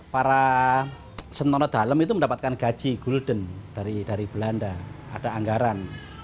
para senono dalem itu mendapatkan gaji gulden dari belanda ada anggaran